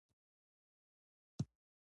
مار بیرته ژوندی شو او سړی یې وواژه.